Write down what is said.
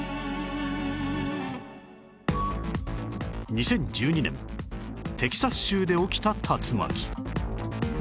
２０１２年テキサス州で起きた竜巻